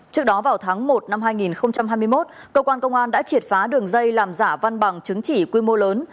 trước đó vào tháng một năm hai nghìn hai mươi một cơ quan công an đã triệt phá đường dây làm giả văn bằng chứng chỉ quy mô lớn